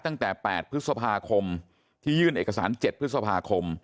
ตั้งแต่๘พฤษภาคมที่ยื่นเอกสาร๗พฤษภาคม